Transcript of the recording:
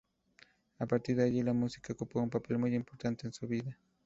A partir de allí la música ocupó un papel muy importante en su vida.